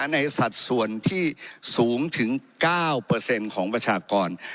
สัดส่วนที่สูงถึง๙ของประชากร